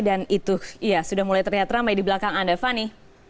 dan itu ya sudah mulai terlihat ramai di belakang anda fani